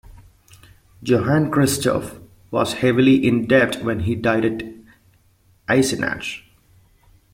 Johann Christoph was heavily in debt when he died at Eisenach.